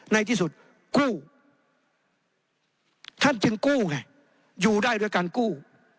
ในที่สุดกู้ท่านจึงกู้ไงอยู่ได้ด้วยการกู้